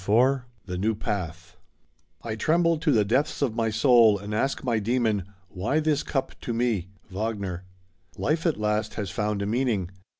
CHAPTER III THE NEW PATH I tremble to the depths of my soul and ask my dæmon: "Why this cup to me?" WAGNER. Life at last has found a meaning.